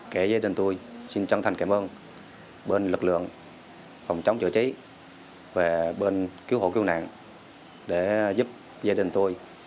kể gia đình tôi xin chân thành cảm ơn bên lực lượng phòng chống chữa cháy và bên cứu hộ cứu nạn để giúp gia đình tôi